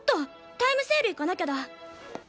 タイムセール行かなきゃだ。